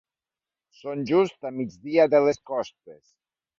Són just a migdia de les Costes.